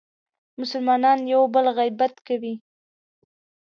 مسلمانان یو بل غیبت کوي.